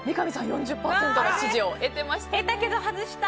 ４０％の支持を得てましたね。